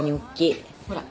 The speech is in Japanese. ほら。